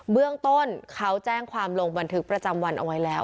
เบื้องต้นเขาแจ้งความลงบันทึกประจำวันเอาไว้แล้ว